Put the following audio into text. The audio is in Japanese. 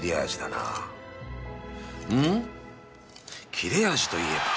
切れ味といえば